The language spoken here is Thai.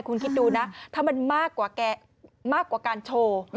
คุณคิดดูนะถ้ามันมากกว่าการโชว์